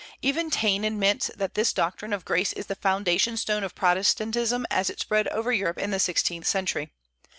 Even Taine admits that this doctrine of grace is the foundation stone of Protestantism as it spread over Europe in the sixteenth century.